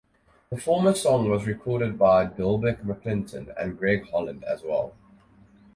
The former song was recorded by Delbert McClinton and Greg Holland as well.